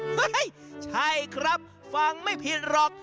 เฮ้ยใช่ครับฟังไม่ผิดหรอก